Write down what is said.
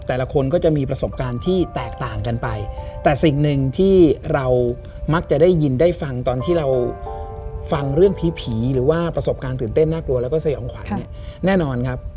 แต่ละคนก็จะมีประสบการณ์ที่แตกต่างกันไปแต่สิ่งหนึ่งที่เรามักจะได้ยินได้ฟังตอนที่เราฟังเรื่องผีผีหรือว่าประสบการณ์ตื่นเต้นน่ากลัวแล้วก็สยองขวัญเนี่ยแน่นอนครับ